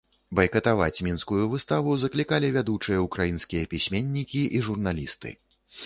Байкатаваць мінскую выставу заклікалі вядучыя ўкраінскія пісьменнікі і журналісты.